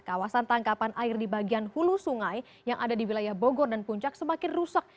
kawasan tangkapan air di bagian hulu sungai yang ada di wilayah bogor dan puncak semakin rusak